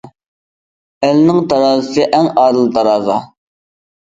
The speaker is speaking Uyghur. ‹‹ ئەلنىڭ تارازىسى ئەڭ ئادىل تارازا››.